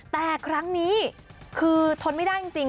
แต่ครั้งนี้คือทนไม่ได้จริง